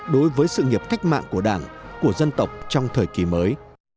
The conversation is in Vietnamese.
đối với sự nghiệp cách mạng của đảng của dân tộc trong thời kỳ mới